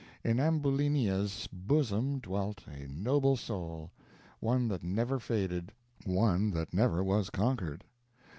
In Ambulinia's bosom dwelt a noble soul one that never faded one that never was conquered.